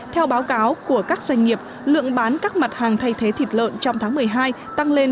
theo báo cáo của các doanh nghiệp lượng bán các mặt hàng thay thế thịt lợn trong tháng một mươi hai tăng lên